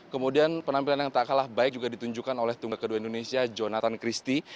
kemudian penampilan yang tak kalah baik juga ditunjukkan oleh tunggal kedua indonesia jonathan christie